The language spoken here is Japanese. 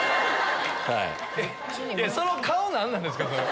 その顔何なんですか？